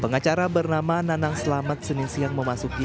pengacara bernama nanang selamat senisian memasuki